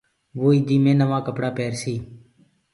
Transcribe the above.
وو ايدي مي نوآ ڪپڙآ پيرسي۔